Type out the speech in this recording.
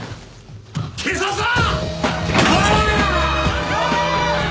警察だ！